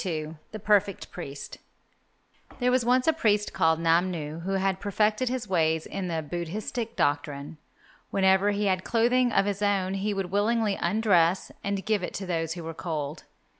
XLII THE PERFECT PRIEST There was once a priest called Namnu who had perfected his ways in the Buddhistic doctrine. Whenever he had clothing of his own he would willingly undress and give it to those who were cold.